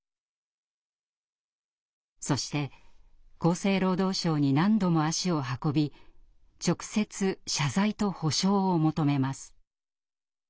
そして厚生労働省に何度も足を運び直接謝罪と補償を求めます。